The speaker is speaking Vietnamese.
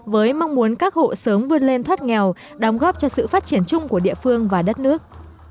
với mong muốn các hộ sớm vươn lên thoát nghèo đóng góp cho sự phát triển chung của địa phương và đất nước